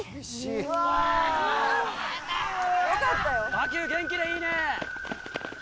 下級元気でいいね！